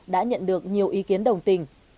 đã nhận được nhiều ý kiến đồng tình